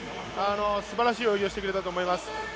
すばらしい泳ぎをしてくれたと思います。